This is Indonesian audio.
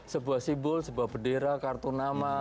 sebuah simbol sebuah bendera kartu nama